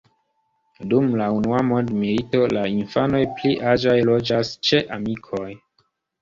Dum la Unua mondmilito la infanoj pli aĝaj loĝas ĉe amikoj.